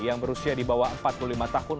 yang berusia di bawah empat puluh lima tahun